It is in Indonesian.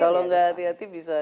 kalau nggak hati hati bisa